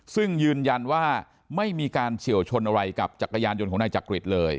ซึ่งยืนยันว่าไม่มีการเฉียวชนอะไรกับจักรยานยนต์ของนายจักริตเลย